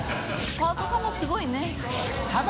パートさんもすごいね。